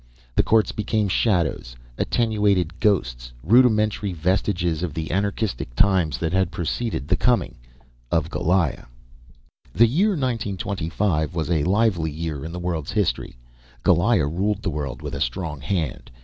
The courts became shadows, attenuated ghosts, rudimentary vestiges of the anarchistic times that had preceded the coming of Goliah. The year 1925 was a lively year in the world's history. Goliah ruled the world with a strong hand.